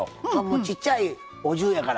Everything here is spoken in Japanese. ちっちゃいお重やから。